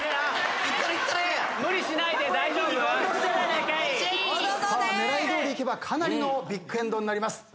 狙いどおりいけばかなりのビッグエンドになります。